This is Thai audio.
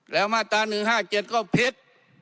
แล้วมาตรา๑๕๗ก็ผิด